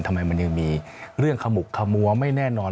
ทำไมมันยังมีเรื่องขมุกขมัวไม่แน่นอน